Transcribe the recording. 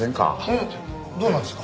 おっどうなんですか？